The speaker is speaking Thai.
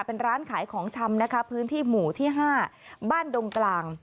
เป็นร้านขายของชำนะคะพื้นที่หมู่ที่๕บ้านดงกลาง